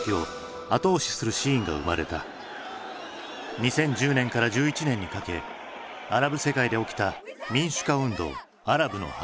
２０１０年から１１年にかけアラブ世界で起きた民主化運動アラブの春。